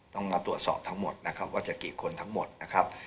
ต้องมาตรวจสอบทั้งหมดนะครับว่าจะกี่คนทั้งหมดนะครับ